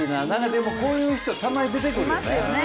でも、こういう人たまに出てくるよね。